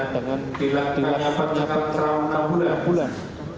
dengan nilai penyapaan selama enam bulan